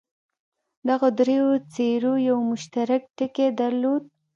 دغو دریو څېرو یو مشترک ټکی درلود.